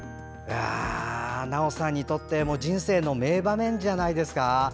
なおさんにとって人生の名場面じゃないですか。